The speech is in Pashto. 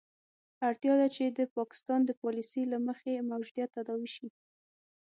اړتیا ده چې د پاکستان د پالیسي له مخې موجودیت تداوي شي.